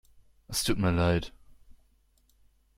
Es tut mir leid.